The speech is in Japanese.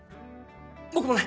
僕もね